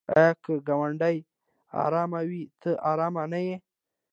آیا که ګاونډی ارام وي ته ارام نه یې؟